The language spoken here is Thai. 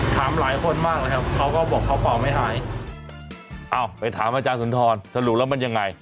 ถามหลายคนมากเลยครับเขาก็บอกเขาเป่าไม่หายเอาไปถามอาจารย์สุนทรสรุปแล้วมันยังไง